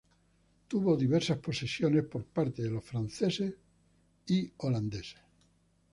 Tuvo diversas posesiones por parte de los franceses y holandeses.